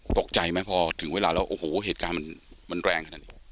ตกใจไหมพอถึงเวลาแล้วโอ้โหเหตุการณ์มันแรงขนาดนี้